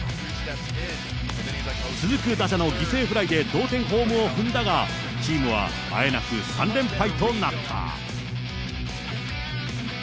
続く打者の犠牲フライで同点ホームを踏んだが、チームはあえなく３連敗となった。